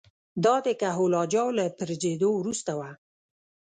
دا د کهول اجاو له پرځېدو وروسته وه